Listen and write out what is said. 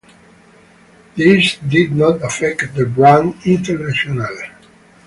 This did not affect the brand internationally.